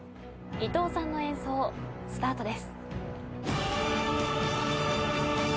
伊藤さんの演奏スタートです。